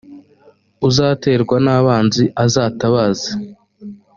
uzaterwa n ‘abanzi azatabaze.